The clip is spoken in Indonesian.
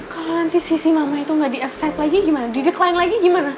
kalau nanti sisi mama itu nggak di offside lagi gimana didekline lagi gimana